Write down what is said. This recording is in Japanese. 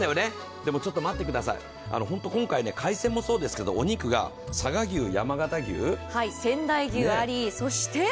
でもちょっと待ってください、ホント今回海鮮もそうですけれども、お肉が佐賀牛、山形牛、仙台牛あり。